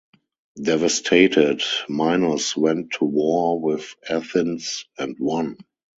Devastated, Minos went to war with Athens and won.